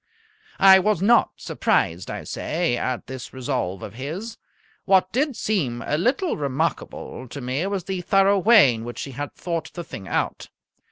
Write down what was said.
I was not surprised, I say, at this resolve of his. What did seem a little remarkable to me was the thorough way in which he had thought the thing out.